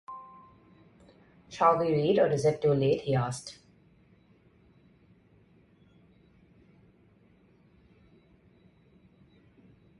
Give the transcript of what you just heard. “Shall we read, or is it too late?” he asked.